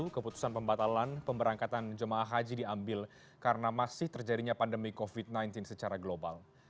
keputusan pembatalan pemberangkatan jemaah haji diambil karena masih terjadinya pandemi covid sembilan belas secara global